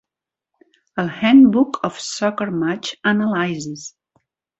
El Handbook of Soccer Match Analysis.